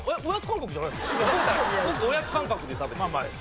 僕おやつ感覚で食べてます。